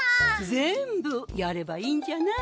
全部やればいいんじゃない？